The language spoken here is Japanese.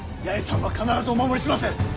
八重さんは必ずお守りします。